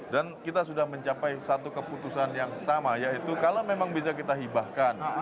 dan kita sudah mencapai satu keputusan yang sama yaitu kalau memang bisa kita hibahkan